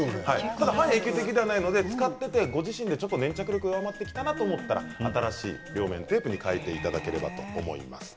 半永久的ではないので使っていてご自身で粘着力が弱まってきたなと思ったら新しい両面テープに変えていただければと思います。